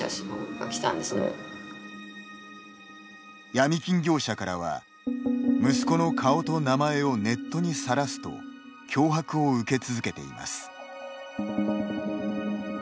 ヤミ金業者からは、息子の顔と名前をネットにさらすと脅迫を受け続けています。